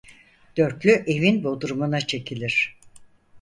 Dörtlü evin bodrumuna çekilir.